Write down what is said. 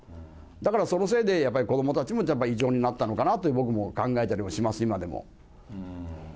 だからそのせいでやっぱり子どもたちも異常になったのかなって、僕も考えたりもします、今でも。